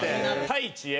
「太一へ」